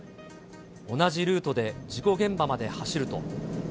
同じルートで事故現場まで走ると。